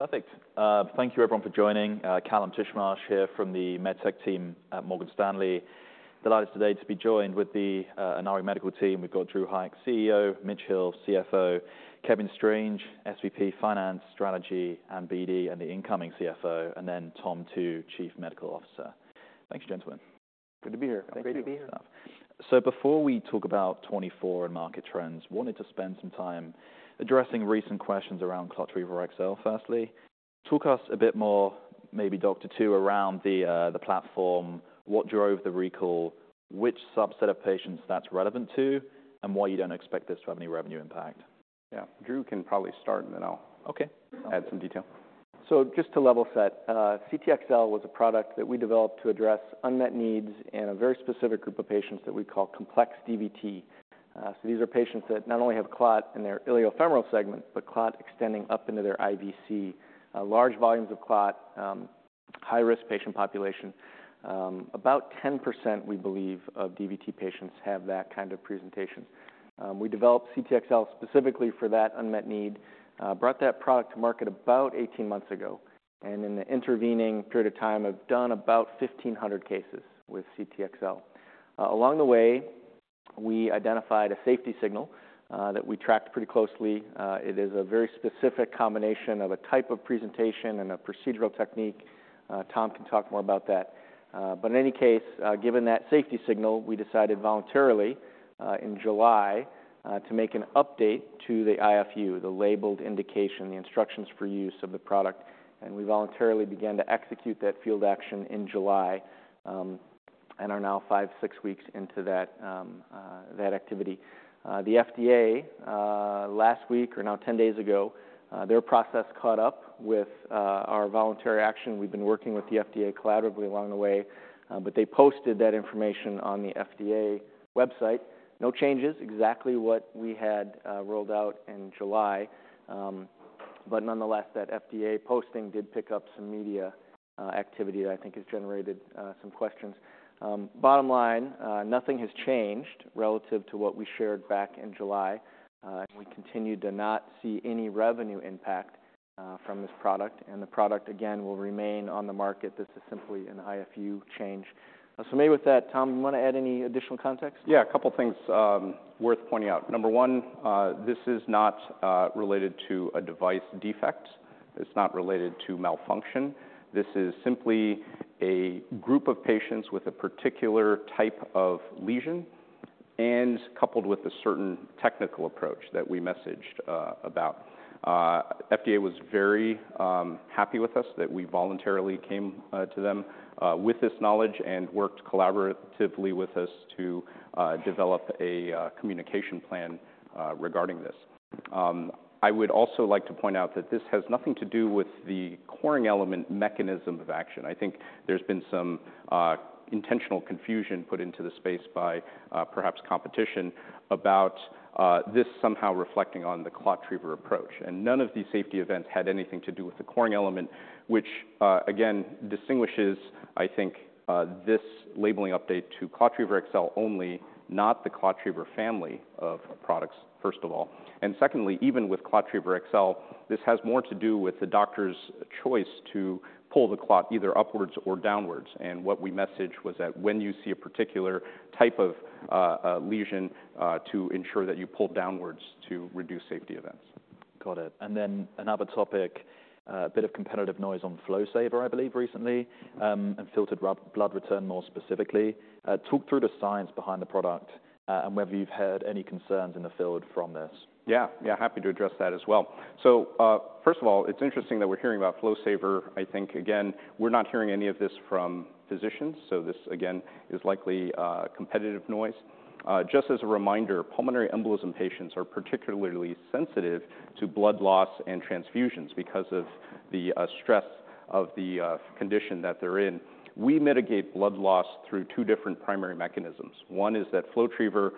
Perfect. Thank you everyone for joining. Kallum Titchmarsh here from the MedTech team at Morgan Stanley. Delighted today to be joined with the Inari Medical team. We've got Drew Hykes, CEO, Mitch Hill, CFO, Kevin Strange, SVP, Finance, Strategy, and BD, and the incoming CFO, and then Tom Tu, Chief Medical Officer. Thanks, gentlemen. Good to be here. Great to be here. So before we talk about 2024 and market trends, wanted to spend some time addressing recent questions around ClotTriever XL. Firstly, talk to us a bit more, maybe Dr. Tu, around the the platform, what drove the recall, which subset of patients that's relevant to, and why you don't expect this to have any revenue impact. Yeah. Drew can probably start, and then I'll- Okay. - Add some detail. So just to level set, CTXL was a product that we developed to address unmet needs in a very specific group of patients that we call complex DVT. So these are patients that not only have clot in their iliofemoral segment, but clot extending up into their IVC. Large volumes of clot, high-risk patient population. About 10%, we believe, of DVT patients have that kind of presentation. We developed CTXL specifically for that unmet need, brought that product to market about 18 months ago, and in the intervening period of time, have done about 1,500 cases with CTXL. Along the way, we identified a safety signal, that we tracked pretty closely. It is a very specific combination of a type of presentation and a procedural technique. Tom can talk more about that. But in any case, given that safety signal, we decided voluntarily in July to make an update to the IFU, the labeled indication, the instructions for use of the product, and we voluntarily began to execute that field action in July, and are now five, six weeks into that activity. The FDA last week or now 10 days ago, their process caught up with our voluntary action. We've been working with the FDA collaboratively along the way, but they posted that information on the FDA website. No changes. Exactly what we had rolled out in July. But nonetheless, that FDA posting did pick up some media activity that I think has generated some questions. Bottom line, nothing has changed relative to what we shared back in July, and we continue to not see any revenue impact from this product, and the product, again, will remain on the market. This is simply an IFU change, so maybe with that, Tom, you want to add any additional context? Yeah, a couple things worth pointing out. Number one, this is not related to a device defect. It's not related to malfunction. This is simply a group of patients with a particular type of lesion and coupled with a certain technical approach that we messaged about. FDA was very happy with us, that we voluntarily came to them with this knowledge, and worked collaboratively with us to develop a communication plan regarding this. I would also like to point out that this has nothing to do with the coring element mechanism of action. I think there's been some intentional confusion put into the space by perhaps competition, about this somehow reflecting on the ClotTriever approach, and none of these safety events had anything to do with the coring element, which again distinguishes, I think, this labeling update to ClotTriever XL only, not the ClotTriever family of products, first of all. And secondly, even with ClotTriever XL, this has more to do with the doctor's choice to pull the clot either upwards or downwards, and what we messaged was that when you see a particular type of lesion, to ensure that you pull downwards to reduce safety events. Got it. And then another topic, a bit of competitive noise on FlowSaver, I believe, recently, and filtered blood return, more specifically. Talk through the science behind the product, and whether you've heard any concerns in the field from this. Yeah. Yeah, happy to address that as well. First of all, it's interesting that we're hearing about FlowSaver. I think, again, we're not hearing any of this from physicians, so this, again, is likely competitive noise. Just as a reminder, pulmonary embolism patients are particularly sensitive to blood loss and transfusions because of the stress of the condition that they're in. We mitigate blood loss through two different primary mechanisms. One is that FlowTriever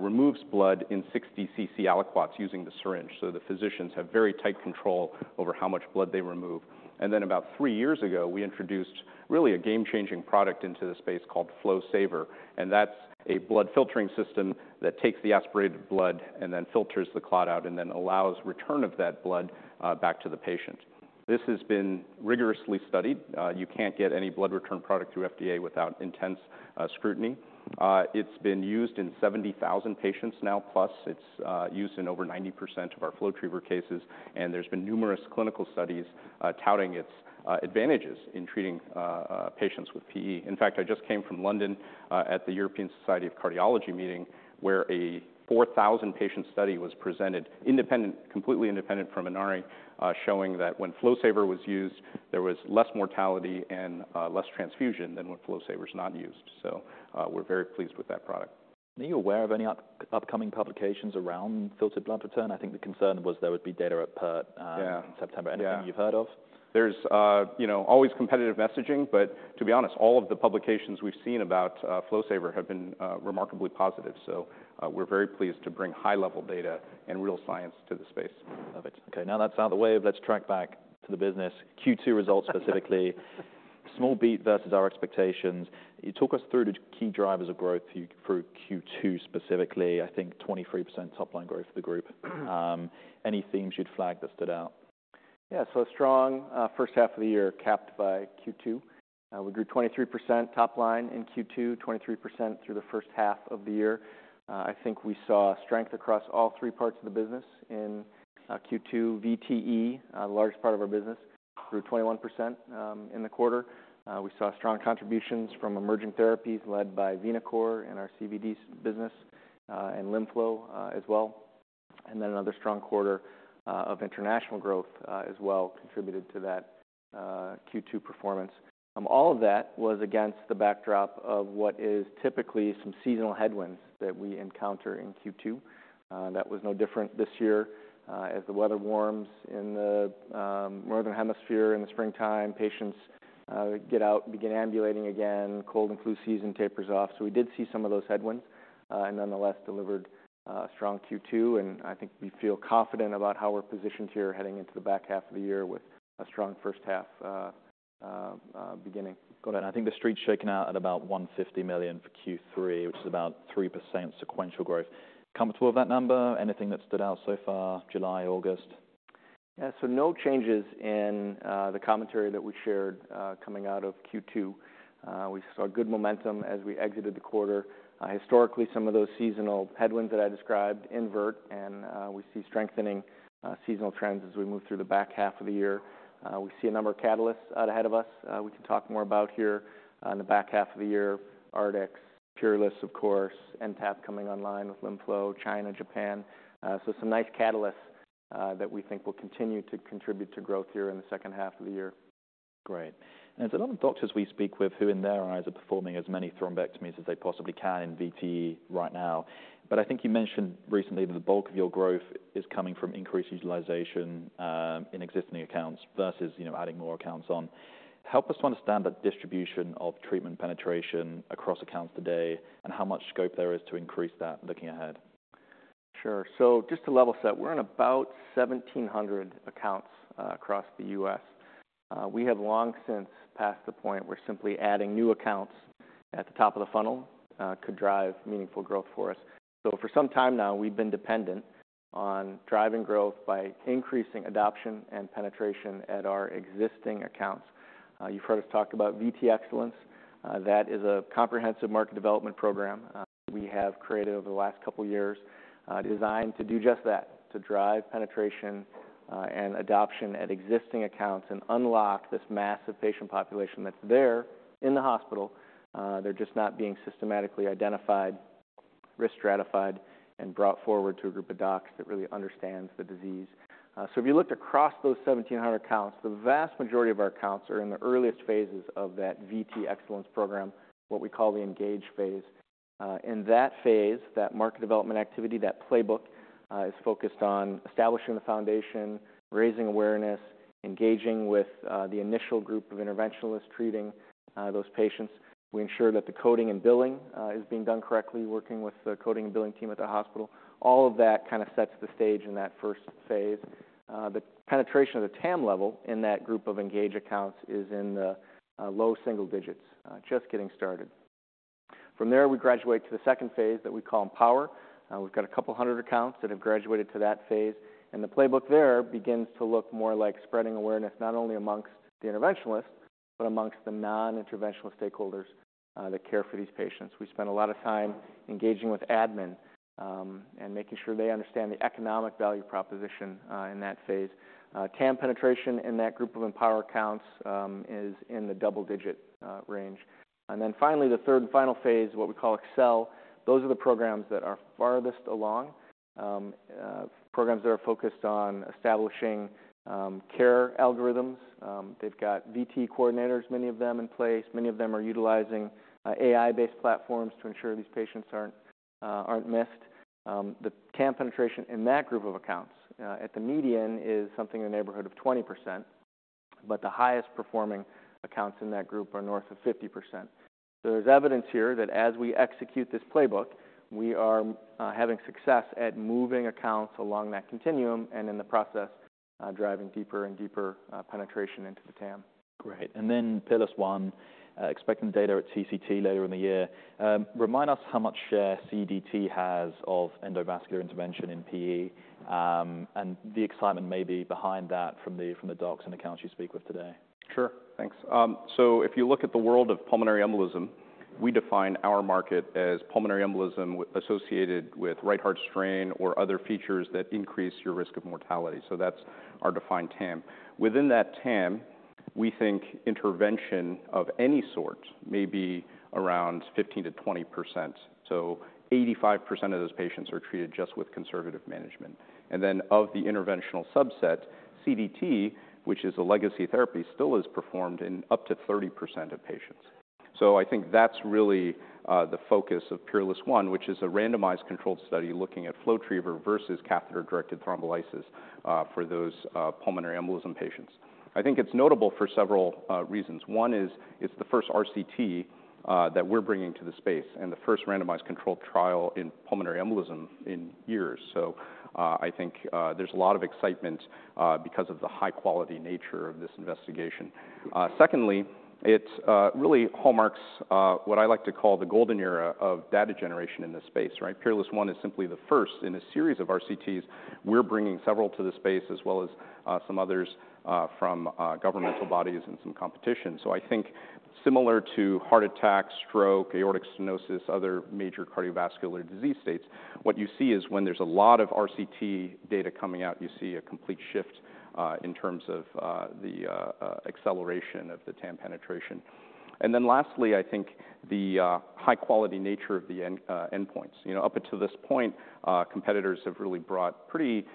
removes blood in sixty cc aliquots using the syringe, so the physicians have very tight control over how much blood they remove. About three years ago, we introduced really a game-changing product into the space called FlowSaver, and that's a blood filtering system that takes the aspirated blood and then filters the clot out and then allows return of that blood back to the patient. This has been rigorously studied. You can't get any blood return product through FDA without intense scrutiny. It's been used in 70,000 patients now, plus it's used in over 90% of our FlowTriever cases, and there's been numerous clinical studies touting its advantages in treating patients with PE. In fact, I just came from London at the European Society of Cardiology meeting, where a 4,000 patient study was presented, independent- completely independent from Inari, showing that when FlowSaver was used, there was less mortality and less transfusion than when FlowSaver's not used. So, we're very pleased with that product. Are you aware of any upcoming publications around filtered blood return? I think the concern was there would be data at PERT. Yeah... September. Yeah. Anything you've heard of? There's, you know, always competitive messaging, but to be honest, all of the publications we've seen about FlowSaver have been remarkably positive. So, we're very pleased to bring high-level data and real science to the space. Love it. Okay, now that's out of the way, let's track back to the business. Q2 results specifically. Small beat versus our expectations. You talk us through the key drivers of growth through Q2 specifically, I think 23% top line growth for the group. Anything you'd flag that stood out? Yeah, so a strong first half of the year capped by Q2. We grew 23% top line in Q2, 23% through the first half of the year. I think we saw strength across all three parts of the business in Q2, VTE, large part of our business, grew 21% in the quarter. We saw strong contributions from emerging therapies led by VenaCore and our CVD business, and LimFlow as well. And then another strong quarter of international growth as well contributed to that Q2 performance. All of that was against the backdrop of what is typically some seasonal headwinds that we encounter in Q2. That was no different this year. As the weather warms in the northern hemisphere in the springtime, patients get out and begin ambulating again, cold and flu season tapers off. So we did see some of those headwinds, and nonetheless delivered a strong Q2, and I think we feel confident about how we're positioned here heading into the back half of the year with a strong first half beginning. Got it. I think the street's shaken out at about $150 million for Q3, which is about 3% sequential growth. Comfortable with that number? Anything that stood out so far, July, August? Yeah. So no changes in the commentary that we shared coming out of Q2. We saw good momentum as we exited the quarter. Historically, some of those seasonal headwinds that I described invert, and we see strengthening seasonal trends as we move through the back half of the year. We see a number of catalysts out ahead of us. We can talk more about here on the back half of the year, Artix, PEERLESS, of course, NTAP coming online with LimFlow, China, Japan. So some nice catalysts that we think will continue to contribute to growth here in the second half of the year. Great. And there's a lot of doctors we speak with who, in their eyes, are performing as many thrombectomies as they possibly can in VTE right now. But I think you mentioned recently that the bulk of your growth is coming from increased utilization, in existing accounts versus, you know, adding more accounts on. Help us understand the distribution of treatment penetration across accounts today and how much scope there is to increase that, looking ahead. Sure. So just to level set, we're in about 1,700 accounts, across the U.S. We have long since passed the point where simply adding new accounts at the top of the funnel, could drive meaningful growth for us. So for some time now, we've been dependent on driving growth by increasing adoption and penetration at our existing accounts. You've heard us talk about VTE Excellence. That is a comprehensive market development program, we have created over the last couple of years, designed to do just that, to drive penetration, and adoption at existing accounts and unlock this massive patient population that's there in the hospital. They're just not being systematically identified, risk stratified, and brought forward to a group of docs that really understands the disease. So if you looked across those 1,700 accounts, the vast majority of our accounts are in the earliest phases of that VTE Excellence program, what we call the Engage phase. In that phase, that market development activity, that playbook, is focused on establishing the foundation, raising awareness, engaging with the initial group of interventionalists, treating those patients. We ensure that the coding and billing is being done correctly, working with the coding and billing team at the hospital. All of that kinda sets the stage in that first phase. The penetration of the TAM level in that group of Engage accounts is in the low single digits, just getting started. From there, we graduate to the second phase that we call Empower. We've got a couple hundred accounts that have graduated to that phase, and the playbook there begins to look more like spreading awareness, not only amongst the interventionalists, but amongst the non-interventional stakeholders that care for these patients. We spend a lot of time engaging with admin and making sure they understand the economic value proposition in that phase. TAM penetration in that group of Empower accounts is in the double-digit range. And then finally, the third and final phase, what we call Excel, those are the programs that are farthest along, programs that are focused on establishing care algorithms. They've got VTE coordinators, many of them in place. Many of them are utilizing AI-based platforms to ensure these patients aren't missed. The TAM penetration in that group of accounts, at the median, is something in the neighborhood of 20%, but the highest performing accounts in that group are north of 50%. So there's evidence here that as we execute this playbook, we are having success at moving accounts along that continuum and in the process, driving deeper and deeper penetration into the TAM. Great. And then pillar one, expecting the data at TCT later in the year. Remind us how much share CDT has of endovascular intervention in PE, and the excitement may be behind that from the docs and accounts you speak with today? Sure. Thanks. So if you look at the world of pulmonary embolism, we define our market as pulmonary embolism associated with right heart strain or other features that increase your risk of mortality. So that's our defined TAM. Within that TAM, we think intervention of any sort may be around 15%-20%. So 85% of those patients are treated just with conservative management. And then of the interventional subset, CDT, which is a legacy therapy, still is performed in up to 30% of patients. So I think that's really the focus of PEERLESS One, which is a randomized controlled study looking at FlowTriever versus catheter-directed thrombolysis for those pulmonary embolism patients. I think it's notable for several reasons. One is, it's the first RCT that we're bringing to the space, and the first randomized controlled trial in pulmonary embolism in years. So I think there's a lot of excitement because of the high-quality nature of this investigation. Secondly, it really hallmarks what I like to call the golden era of data generation in this space, right? PEERLESS One is simply the first in a series of RCTs. We're bringing several to the space, as well as some others from governmental bodies and some competition. So I think similar to heart attack, stroke, aortic stenosis, other major cardiovascular disease states, what you see is when there's a lot of RCT data coming out, you see a complete shift in terms of the acceleration of the TAM penetration. And then lastly, I think the high-quality nature of the endpoints. You know, up until this point, competitors have really brought pretty,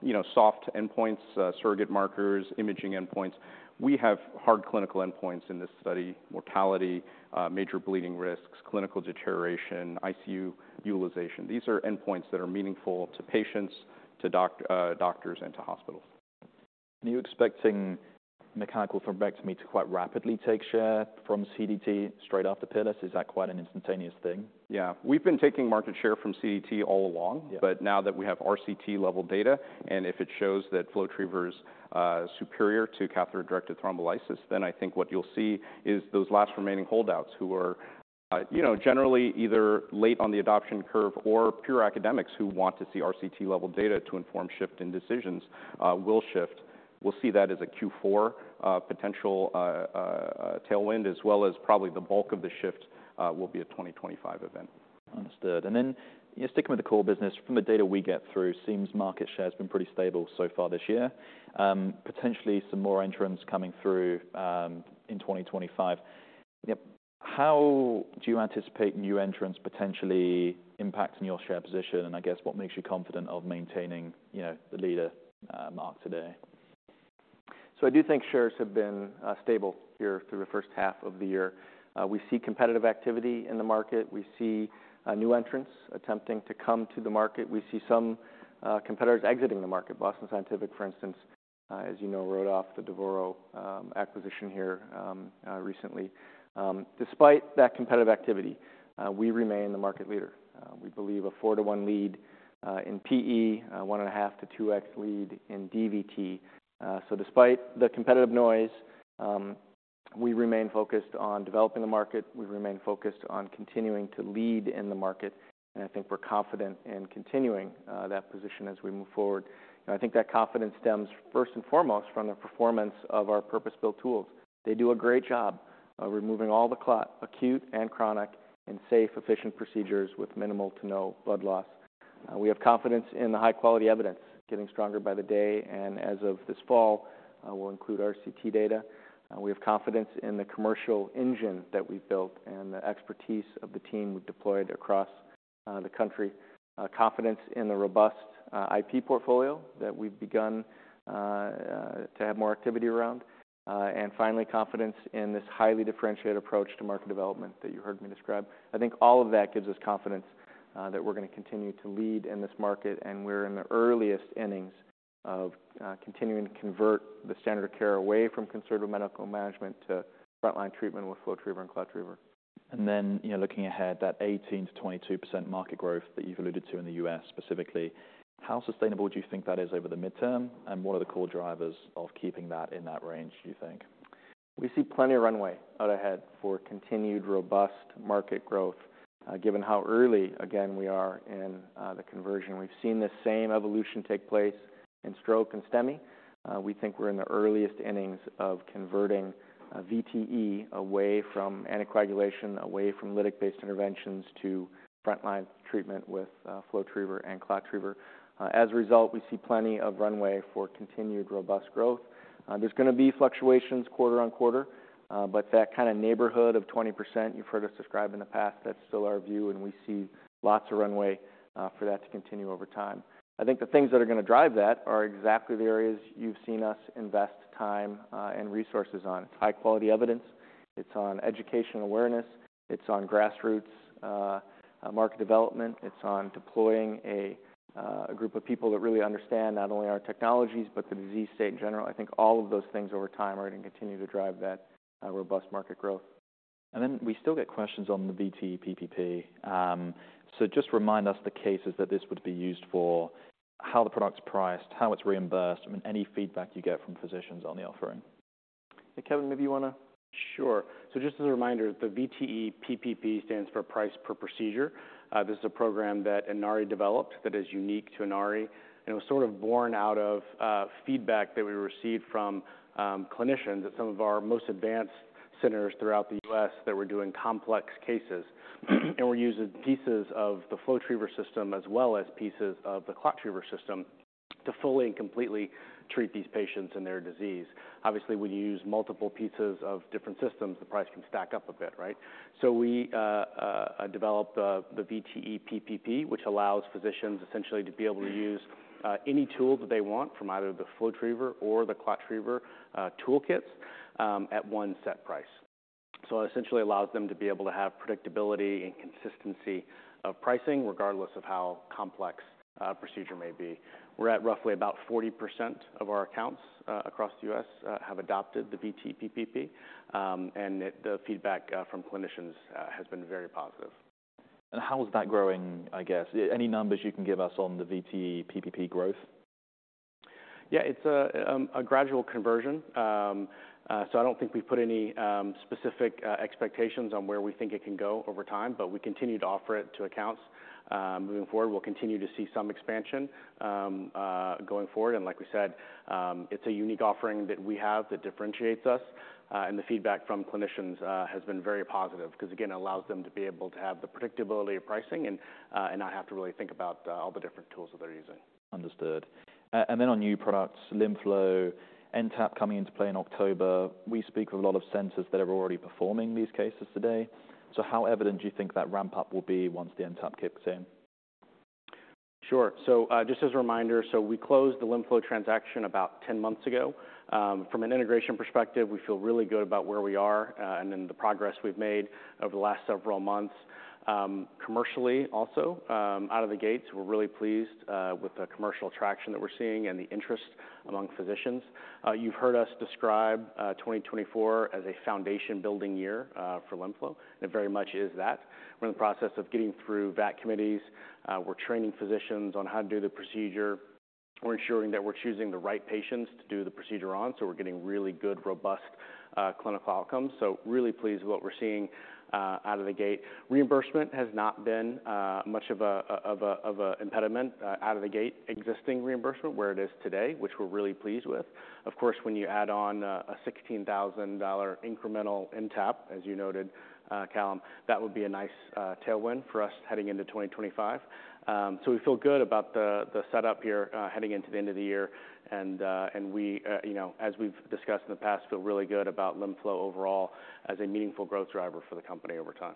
you know, soft endpoints, surrogate markers, imaging endpoints. We have hard clinical endpoints in this study: mortality, major bleeding risks, clinical deterioration, ICU utilization. These are endpoints that are meaningful to patients, to doctors, and to hospitals. Are you expecting mechanical thrombectomy to quite rapidly take share from CDT straight after PEERLESS? Is that quite an instantaneous thing? Yeah. We've been taking market share from CDT all along. Yeah. But now that we have RCT-level data, and if it shows that FlowTriever is superior to catheter-directed thrombolysis, then I think what you'll see is those last remaining holdouts who are, you know, generally either late on the adoption curve or pure academics who want to see RCT-level data to inform shift in decisions, will shift. We'll see that as a Q4 potential tailwind, as well as probably the bulk of the shift will be a 2025 event. Understood. And then, you know, sticking with the core business, from the data we get through, seems market share has been pretty stable so far this year. Potentially some more entrants coming through in 2025. Yep. How do you anticipate new entrants potentially impacting your share position? And I guess what makes you confident of maintaining, you know, the leadership mark today? So I do think shares have been stable here through the first half of the year. We see competitive activity in the market. We see new entrants attempting to come to the market. We see some competitors exiting the market. Boston Scientific, for instance, as you know, wrote off the Devoro acquisition here recently. Despite that competitive activity, we remain the market leader. We believe a 4x-1x lead in PE, 1.5x-2x lead in DVT. So despite the competitive noise, we remain focused on developing the market. We remain focused on continuing to lead in the market, and I think we're confident in continuing that position as we move forward. And I think that confidence stems first and foremost from the performance of our purpose-built tools. They do a great job of removing all the clot, acute and chronic, in safe, efficient procedures with minimal to no blood loss. We have confidence in the high-quality evidence getting stronger by the day, and as of this fall, we'll include RCT data. We have confidence in the commercial engine that we've built and the expertise of the team we've deployed across the country. Confidence in the robust IP portfolio that we've begun to have more activity around. And finally, confidence in this highly differentiated approach to market development that you heard me describe. I think all of that gives us confidence that we're going to continue to lead in this market, and we're in the earliest innings of continuing to convert the standard of care away from conservative medical management to frontline treatment with FlowTriever and ClotTriever. And then, you know, looking ahead, that 18%-22% market growth that you've alluded to in the U.S., specifically, how sustainable do you think that is over the midterm? And what are the core drivers of keeping that in that range, do you think? We see plenty of runway out ahead for continued robust market growth, given how early, again, we are in the conversion. We've seen this same evolution take place in stroke and STEMI. We think we're in the earliest innings of converting VTE away from anticoagulation, away from lytic-based interventions to frontline treatment with FlowTriever and ClotTriever. As a result, we see plenty of runway for continued robust growth. There's going to be fluctuations quarter on quarter, but that kind of neighborhood of 20%, you've heard us describe in the past, that's still our view, and we see lots of runway for that to continue over time. I think the things that are going to drive that are exactly the areas you've seen us invest time and resources on. It's high-quality evidence, it's on education awareness, it's on grassroots, market development, it's on deploying a group of people that really understand not only our technologies, but the disease state in general. I think all of those things over time are going to continue to drive that, robust market growth. And then we still get questions on the VTE PPP. So just remind us the cases that this would be used for, how the product is priced, how it's reimbursed, I mean, any feedback you get from physicians on the offering. Hey, Kevin, maybe you want to? Sure. So just as a reminder, the VTE PPP stands for Price Per Procedure. This is a program that Inari developed that is unique to Inari, and it was sort of born out of feedback that we received from clinicians at some of our most advanced centers throughout the U.S. that were doing complex cases, and were using pieces of the FlowTriever system as well as pieces of the ClotTriever system to fully and completely treat these patients and their disease. Obviously, when you use multiple pieces of different systems, the price can stack up a bit, right? So we developed the VTE PPP, which allows physicians essentially to be able to use any tool that they want from either the FlowTriever or the ClotTriever toolkits at one set price. So it essentially allows them to be able to have predictability and consistency of pricing, regardless of how complex a procedure may be. We're at roughly about 40% of our accounts, across the U.S., have adopted the VTE PPP, and the feedback from clinicians has been very positive. How is that growing, I guess? Any numbers you can give us on the VTE PPP growth? Yeah, it's a gradual conversion. So I don't think we've put any specific expectations on where we think it can go over time, but we continue to offer it to accounts. Moving forward, we'll continue to see some expansion going forward. And like we said, it's a unique offering that we have that differentiates us, and the feedback from clinicians has been very positive. Because, again, it allows them to be able to have the predictability of pricing and and not have to really think about all the different tools that they're using. Understood. And then on new products, LimFlow, NTAP coming into play in October. We speak with a lot of centers that are already performing these cases today. So how evident do you think that ramp-up will be once the NTAP kicks in? Sure. So, just as a reminder, so we closed the LimFlow transaction about 10 months ago. From an integration perspective, we feel really good about where we are, and then the progress we've made over the last several months. Commercially also, out of the gates, we're really pleased, with the commercial traction that we're seeing and the interest among physicians. You've heard us describe, 2024 as a foundation building year, for LimFlow, and it very much is that. We're in the process of getting through VAC committees. We're training physicians on how to do the procedure. We're ensuring that we're choosing the right patients to do the procedure on, so we're getting really good, robust, clinical outcomes. So really pleased with what we're seeing, out of the gate. Reimbursement has not been much of an impediment out of the gate. Existing reimbursement, where it is today, which we're really pleased with. Of course, when you add on a $16,000 incremental NTAP, as you noted, Kallum, that would be a nice tailwind for us heading into 2025. So we feel good about the setup here heading into the end of the year. We, you know, as we've discussed in the past, feel really good about LimFlow overall as a meaningful growth driver for the company over time.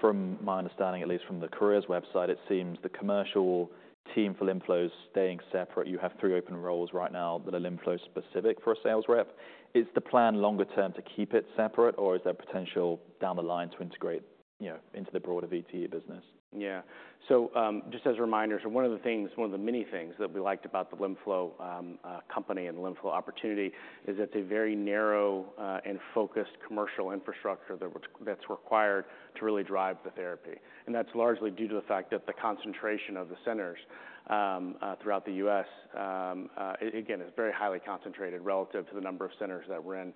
From my understanding, at least from the careers website, it seems the commercial team for LimFlow is staying separate. You have three open roles right now that are LimFlow specific for a sales rep. Is the plan longer term to keep it separate, or is there potential down the line to integrate, you know, into the broader VTE business? Yeah. So, just as a reminder, one of the many things that we liked about the LimFlow company and LimFlow opportunity is it's a very narrow and focused commercial infrastructure that's required to really drive the therapy. And that's largely due to the fact that the concentration of the centers throughout the U.S. again is very highly concentrated relative to the number of centers that we're in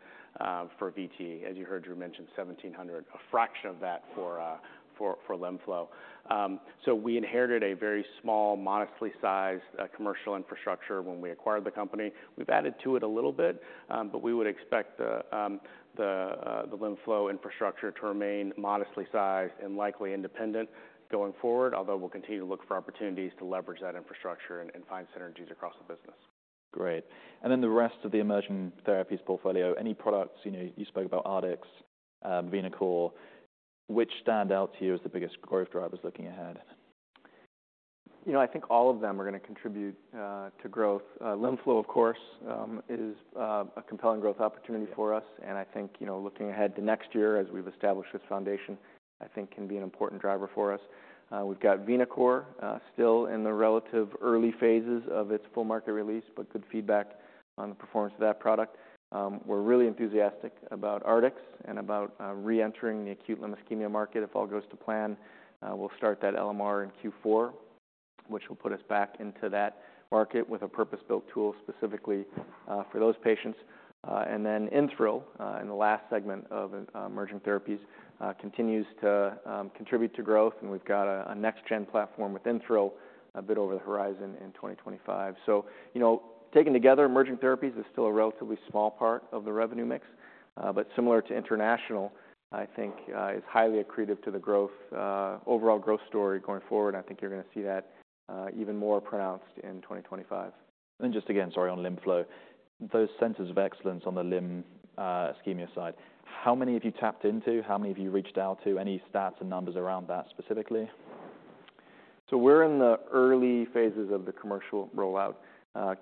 for VTE. As you heard, Drew mention seventeen hundred, a fraction of that for LimFlow. So we inherited a very small, modestly sized commercial infrastructure when we acquired the company. We've added to it a little bit, but we would expect the LimFlow infrastructure to remain modestly sized and likely independent going forward, although we'll continue to look for opportunities to leverage that infrastructure and find synergies across the business. Great. And then the rest of the emerging therapies portfolio, any products, you know, you spoke about Artix, VenaCore. Which stand out to you as the biggest growth drivers looking ahead? You know, I think all of them are gonna contribute to growth. LimFlow, of course, is a compelling growth opportunity for us. Yeah. And I think, you know, looking ahead to next year, as we've established this foundation, I think can be an important driver for us. We've got VenaCore, still in the relatively early phases of its full market release, but good feedback on the performance of that product. We're really enthusiastic about Artix and about reentering the acute limb ischemia market. If all goes to plan, we'll start that LMR in Q4, which will put us back into that market with a purpose-built tool specifically for those patients. And then InThrill, in the last segment of emerging therapies, continues to contribute to growth, and we've got a next gen platform with InThrill a bit over the horizon in 2025. So, you know, taken together, emerging therapies is still a relatively small part of the revenue mix, but similar to international, I think, it's highly accretive to the growth, overall growth story going forward. I think you're gonna see that, even more pronounced in 2025. Just again, sorry, on LimFlow. Those centers of excellence on the limb ischemia side, how many have you tapped into? How many have you reached out to? Any stats and numbers around that specifically? We're in the early phases of the commercial rollout.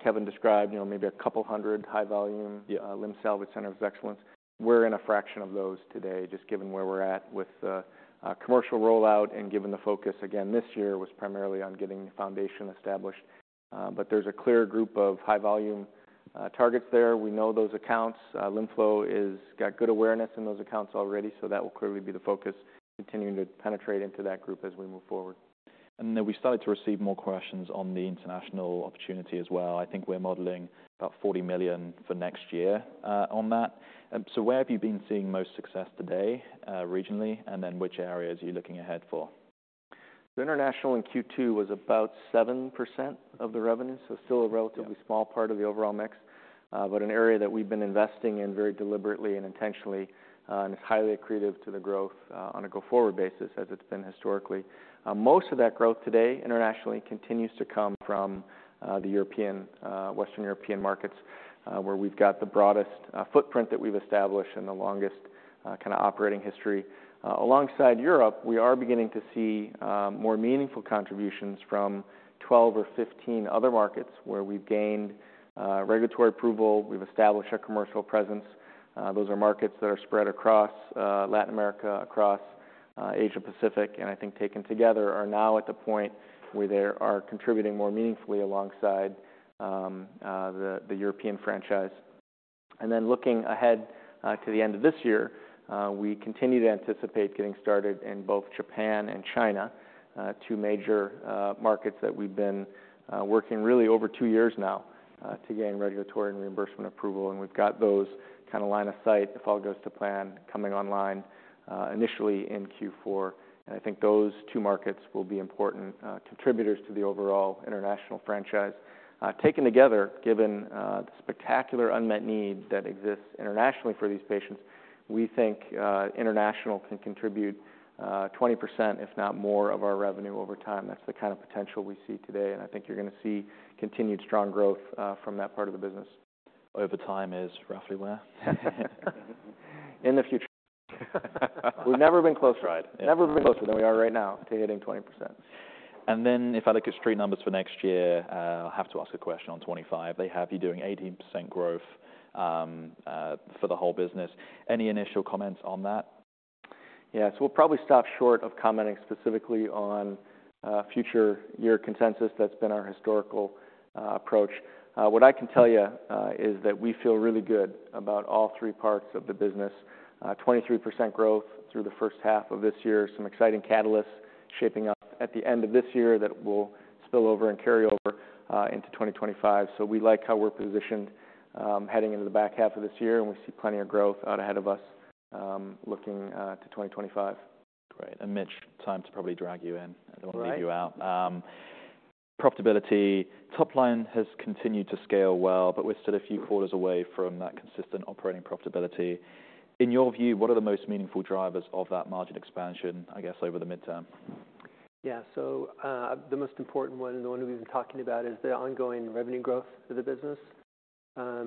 Kevin described, you know, maybe a couple hundred high volume- Yeah... limb salvage centers of excellence. We're in a fraction of those today, just given where we're at with the, commercial rollout and given the focus again, this year, was primarily on getting the foundation established. But there's a clear group of high volume, targets there. We know those accounts. LimFlow is got good awareness in those accounts already, so that will clearly be the focus, continuing to penetrate into that group as we move forward. And then we started to receive more questions on the international opportunity as well. I think we're modeling about $40 million for next year, on that. So where have you been seeing most success today, regionally, and then which areas are you looking ahead for? The international in Q2 was about 7% of the revenue, so still a relatively- Yeah... small part of the overall mix, but an area that we've been investing in very deliberately and intentionally, and it's highly accretive to the growth, on a go-forward basis, as it's been historically. Most of that growth today, internationally, continues to come from, the European, Western European markets, where we've got the broadest, footprint that we've established and the longest, kinda operating history. Alongside Europe, we are beginning to see, more meaningful contributions from 12 or 15 other markets where we've gained, regulatory approval, we've established a commercial presence. Those are markets that are spread across, Latin America, across-... Asia Pacific, and I think taken together, are now at the point where they are contributing more meaningfully alongside the European franchise. Then looking ahead to the end of this year, we continue to anticipate getting started in both Japan and China, two major markets that we've been working really over two years now to gain regulatory and reimbursement approval. And we've got those kind of line of sight, if all goes to plan, coming online initially in Q4. And I think those two markets will be important contributors to the overall international franchise. Taken together, given the spectacular unmet need that exists internationally for these patients, we think international can contribute 20%, if not more, of our revenue over time. That's the kind of potential we see today, and I think you're gonna see continued strong growth from that part of the business. Over time is roughly where? In the future. We've never been closer- Right. Never been closer than we are right now to hitting 20%. Then, if I look at street numbers for next year, I'll have to ask a question on 2025. They have you doing 18% growth for the whole business. Any initial comments on that? Yes. We'll probably stop short of commenting specifically on future year consensus. That's been our historical approach. What I can tell you is that we feel really good about all three parts of the business. 23% growth through the first half of this year, some exciting catalysts shaping up at the end of this year that will spill over and carry over into 2025. So we like how we're positioned heading into the back half of this year, and we see plenty of growth out ahead of us looking to 2025. Great. And Mitch, time to probably drag you in. All right. I don't want to leave you out. Profitability. Top line has continued to scale well, but we're still a few quarters away from that consistent operating profitability. In your view, what are the most meaningful drivers of that margin expansion, I guess, over the midterm? Yeah. So, the most important one, and the one we've been talking about, is the ongoing revenue growth of the business.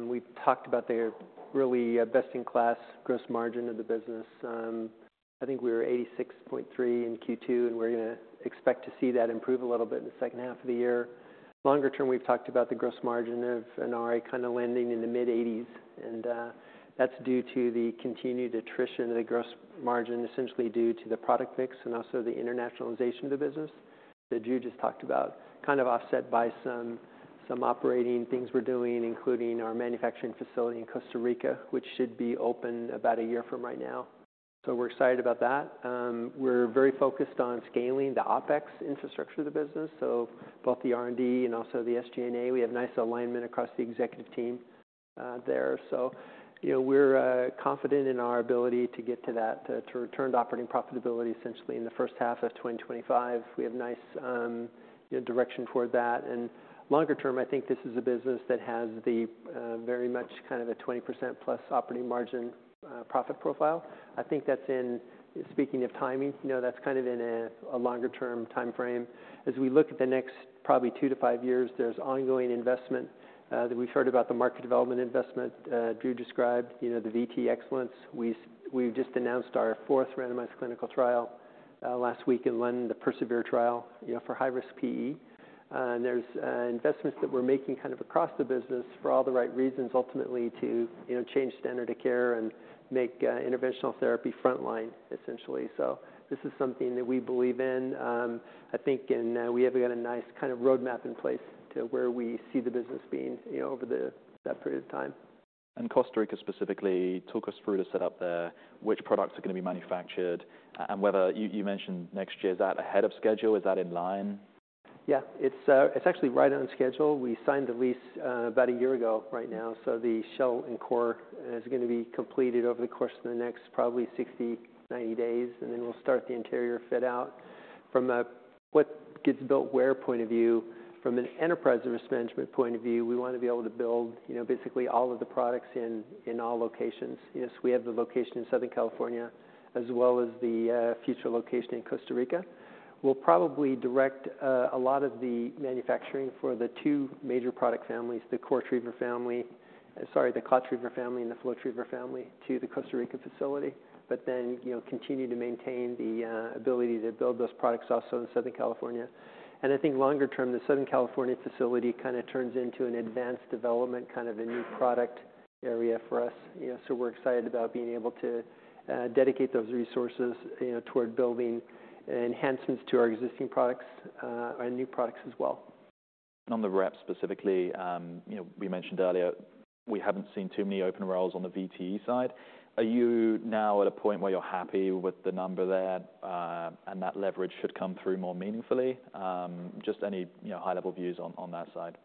We've talked about the really best-in-class gross margin of the business. I think we were 86.3% in Q2, and we're gonna expect to see that improve a little bit in the second half of the year. Longer term, we've talked about the gross margin of Inari kind of landing in the mid-80s, and that's due to the continued attrition of the gross margin, essentially due to the product mix and also the internationalization of the business that you just talked about. Kind of offset by some operating things we're doing, including our manufacturing facility in Costa Rica, which should be open about a year from right now. So we're excited about that. We're very focused on scaling the OpEx infrastructure of the business, so both the R&D and also the SG&A. We have nice alignment across the executive team, there. So you know, we're confident in our ability to get to that, to return to operating profitability, essentially in the first half of 2025. We have nice direction toward that. Longer term, I think this is a business that has the very much kind of a 20%+ operating margin profit profile. I think that's in speaking of timing, you know, that's kind of in a longer term timeframe. As we look at the next probably 2 to 5 years, there's ongoing investment that we've heard about, the market development investment Drew described, you know, the VTE Excellence. We've just announced our fourth randomized clinical trial last week in London, the PERSEVERE trial, you know, for high-risk PE. And there's investments that we're making kind of across the business for all the right reasons, ultimately to, you know, change standard of care and make interventional therapy frontline, essentially. So this is something that we believe in. I think we have got a nice kind of roadmap in place to where we see the business being, you know, that period of time. And Costa Rica specifically, talk us through the setup there, which products are going to be manufactured, and whether you, you mentioned next year. Is that ahead of schedule? Is that in line? Yeah, it's actually right on schedule. We signed the lease about a year ago right now, so the shell and core is gonna be completed over the course of the next probably 60, 90 days, and then we'll start the interior fit out. From a what gets built where point of view, from an enterprise risk management point of view, we want to be able to build, you know, basically all of the products in all locations. Yes, we have the location in Southern California, as well as the future location in Costa Rica. We'll probably direct a lot of the manufacturing for the two major product families, the ClotTriever family... Sorry, the ClotTriever family and the FlowTriever family, to the Costa Rica facility, but then, you know, continue to maintain the ability to build those products also in Southern California. I think longer term, the Southern California facility kind of turns into an advanced development, kind of a new product area for us. You know, so we're excited about being able to, dedicate those resources, you know, toward building enhancements to our existing products, and new products as well. And on the rep specifically, you know, we mentioned earlier, we haven't seen too many open roles on the VTE side. Are you now at a point where you're happy with the number there, and that leverage should come through more meaningfully? Just any, you know, high-level views on that side.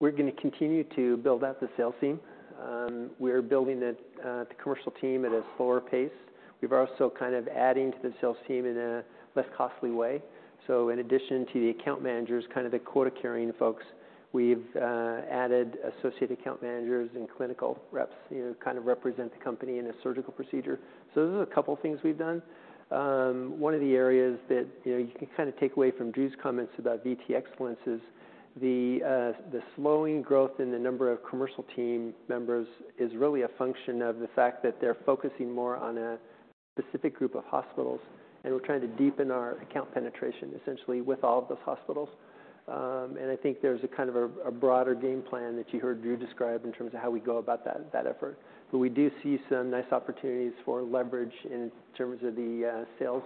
We're gonna continue to build out the sales team. We're building the commercial team at a slower pace. We're also kind of adding to the sales team in a less costly way. So in addition to the account managers, kind of the quota-carrying folks, we've added associate account managers and clinical reps, you know, kind of represent the company in a surgical procedure. So those are a couple of things we've done. One of the areas that, you know, you can kind of take away from Drew's comments about VTE Excellence is the slowing growth in the number of commercial team members is really a function of the fact that they're focusing more on a-... specific group of hospitals, and we're trying to deepen our account penetration, essentially, with all of those hospitals, and I think there's a kind of a broader game plan that you heard Drew describe in terms of how we go about that effort, but we do see some nice opportunities for leverage in terms of the sales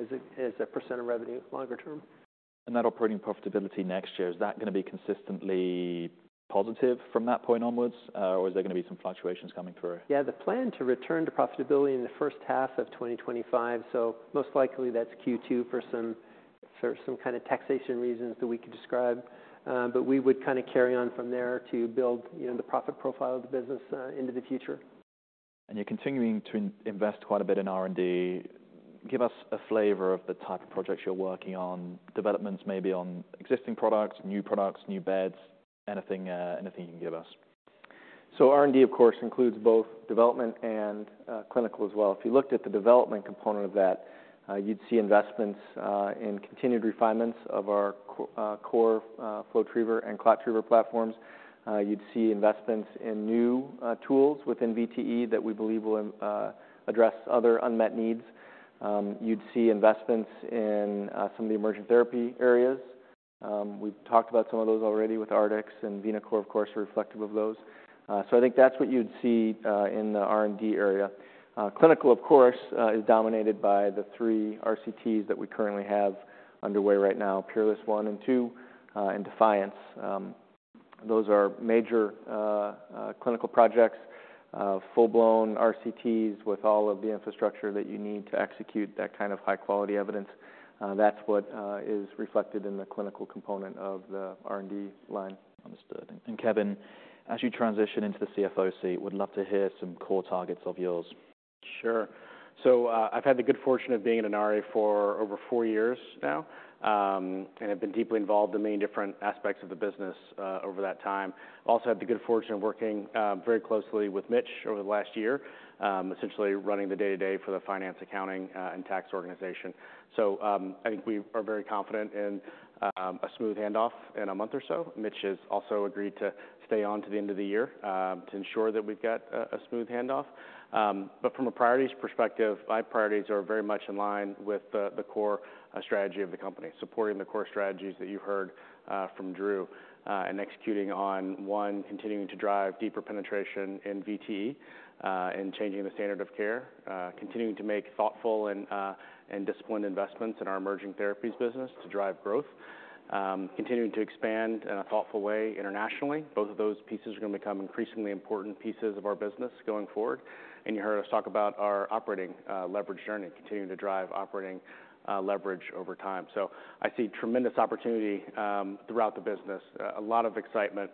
as a percent of revenue longer term. And that operating profitability next year, is that going to be consistently positive from that point onwards, or is there going to be some fluctuations coming through? Yeah, the plan to return to profitability in the first half of 2025, so most likely that's Q2 for some kind of taxation reasons that we could describe. But we would kind of carry on from there to build, you know, the profit profile of the business into the future. You're continuing to invest quite a bit in R&D. Give us a flavor of the type of projects you're working on, developments maybe on existing products, new products, new beds, anything, anything you can give us. So R&D, of course, includes both development and clinical as well. If you looked at the development component of that, you'd see investments in continued refinements of our core FlowTriever and ClotTriever platforms. You'd see investments in new tools within VTE that we believe will address other unmet needs. You'd see investments in some of the emerging therapy areas. We've talked about some of those already with Artix and VenaCore, of course, are reflective of those. So I think that's what you'd see in the R&D area. Clinical, of course, is dominated by the three RCTs that we currently have underway right now, PEERLESS one and two, and DEFIANCE. Those are major clinical projects, full-blown RCTs with all of the infrastructure that you need to execute that kind of high-quality evidence. That's what is reflected in the clinical component of the R&D line. Understood, and Kevin, as you transition into the CFO seat, would love to hear some core targets of yours. Sure. So, I've had the good fortune of being in an RA for over four years now, and have been deeply involved in many different aspects of the business, over that time. Also had the good fortune of working, very closely with Mitch over the last year, essentially running the day-to-day for the finance, accounting, and tax organization. So, I think we are very confident in, a smooth handoff in a month or so. Mitch has also agreed to stay on to the end of the year, to ensure that we've got a smooth handoff. But from a priorities perspective, my priorities are very much in line with the core strategy of the company, supporting the core strategies that you heard from Drew, and executing on continuing to drive deeper penetration in VTE and changing the standard of care. Continuing to make thoughtful and disciplined investments in our emerging therapies business to drive growth. Continuing to expand in a thoughtful way internationally. Both of those pieces are going to become increasingly important pieces of our business going forward. And you heard us talk about our operating leverage journey, continuing to drive operating leverage over time. So I see tremendous opportunity throughout the business, a lot of excitement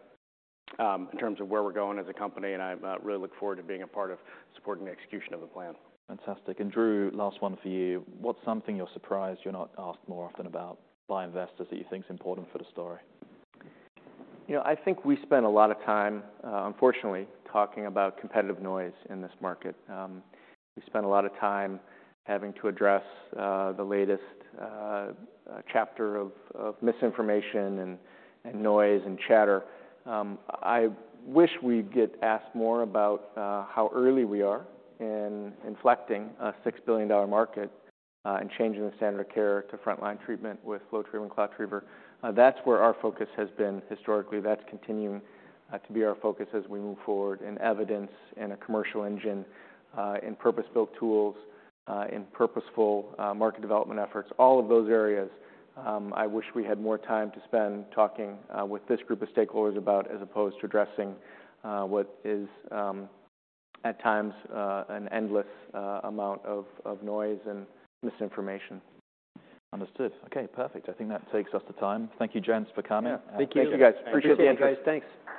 in terms of where we're going as a company, and I really look forward to being a part of supporting the execution of the plan. Fantastic. And Drew, last one for you. What's something you're surprised you're not asked more often about by investors that you think is important for the story? You know, I think we spend a lot of time, unfortunately, talking about competitive noise in this market. We spend a lot of time having to address the latest chapter of misinformation and noise and chatter. I wish we'd get asked more about how early we are in inflecting a $6 billion market and changing the standard of care to frontline treatment with FlowTriever and ClotTriever. That's where our focus has been historically. That's continuing to be our focus as we move forward in evidence, in a commercial engine, in purpose-built tools, in purposeful market development efforts. All of those areas, I wish we had more time to spend talking with this group of stakeholders about, as opposed to addressing, what is, at times, an endless amount of noise and misinformation. Understood. Okay, perfect. I think that takes us to time. Thank you, gents, for coming. Yeah. Thank you, guys. Thank you. Appreciate the interest. Thanks!